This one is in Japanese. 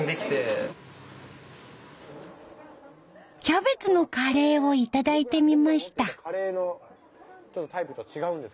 キャベツのカレーを頂いてみました。